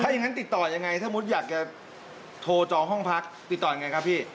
อย่างนั้นติดต่อยังไงถ้ามุติอยากจะโทรจองห้องพักติดต่อยังไงครับพี่